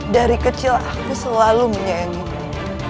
dari kecil aku selalu menyayangimu